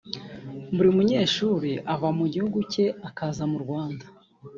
buri munyeshuri ava mu gihugu cye akaza mu Rwanda